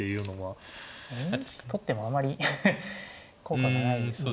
取ってもあまり効果がないですね。